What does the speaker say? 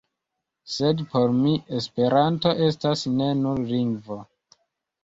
Sed por mi "Esperanto" estas ne nur lingvo.